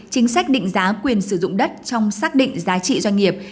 chính sách định giá quyền sử dụng đất trong xác định giá trị doanh nghiệp